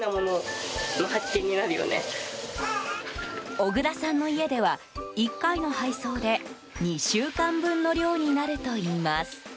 小倉さんの家では１回の配送で２週間分の量になるといいます。